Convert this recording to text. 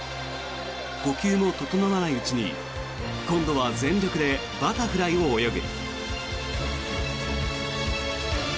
呼吸も整わないうちに今度は全力でバタフライを泳ぐ。